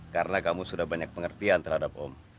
karena kamu sudah banyak pengertian terhadap om